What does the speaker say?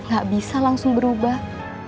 gak bisa langsung berubah